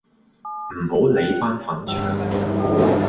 唔好理班粉腸